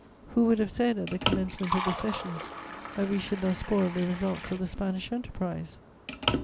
"Who would have said, at the commencement of the session, that we should thus spoil the results of the Spanish Enterprise?